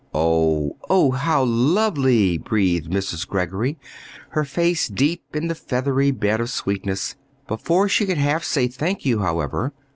"Oh, oh, how lovely!" breathed Mrs. Greggory, her face deep in the feathery bed of sweetness. Before she could half say "Thank you," however?